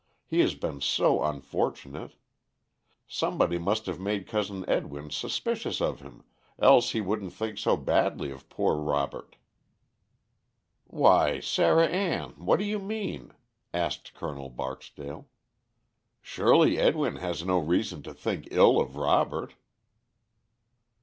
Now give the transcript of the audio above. he has been so unfortunate. Somebody must have made Cousin Edwin suspicious of him, else he wouldn't think so badly of poor Robert." "Why, Sarah Ann, what do you mean?" asked Col. Barksdale. "Surely Edwin has no reason to think ill of Robert."